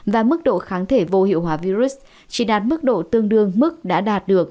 và mức độ kháng thể vô hiệu hóa virus chỉ đạt mức độ tương đương mức đã đạt được